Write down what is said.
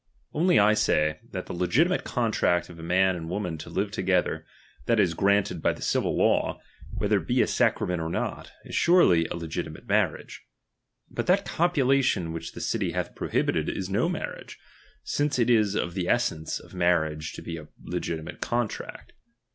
Only I say, tijat the legitimate contract of a man and woman to live tog'ether, that is, granted by the civil law, whether it be a sacrament or not, is surely a legitimate marriage; but that copulation which the city hatii prohibited is no marriage, since it is of the essence of marriage to be a legitimate contract.